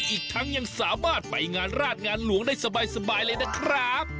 อีกทั้งยังสามารถไปงานราชงานหลวงได้สบายเลยนะครับ